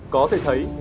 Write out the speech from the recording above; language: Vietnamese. có thể thấy